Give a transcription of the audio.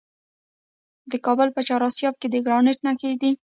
د کابل په چهار اسیاب کې د ګرانیټ نښې شته.